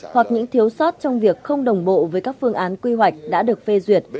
hoặc những thiếu sót trong việc không đồng bộ với các phương án quy hoạch đã được phê duyệt